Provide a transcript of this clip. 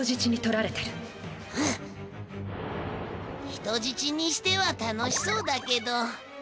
人じちにしては楽しそうだけど。